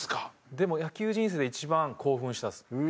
でも野球人生で一番興奮したっす。